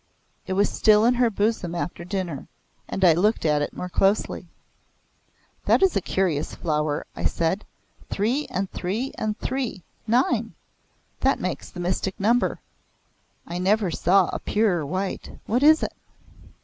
It was still in her bosom after dinner, and I looked at it more closely. "That is a curious flower," I said. "Three and three and three. Nine. That makes the mystic number. I never saw a purer white. What is it?"